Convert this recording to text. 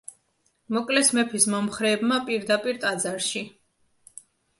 მოკლეს მეფის მომხრეებმა, პირდაპირ ტაძარში.